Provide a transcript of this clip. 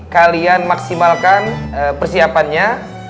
kalian maksimalkan persiapannya